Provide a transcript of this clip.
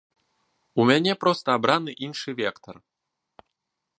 У мяне проста абраны іншы вектар.